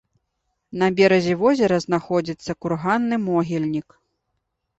На беразе возера знаходзіцца курганны могільнік.